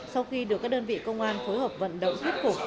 sau khi được các đơn vị công an phối hợp vận động thuyết phục